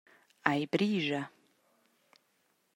Ei brischa.